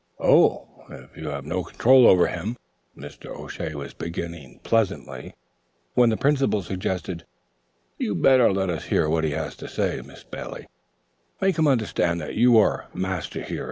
"Oh, if you have no control over him " Mr. O'Shea was beginning pleasantly, when the Principal suggested: "You'd better let us hear what he has to say, Miss Bailey; make him understand that you are master here."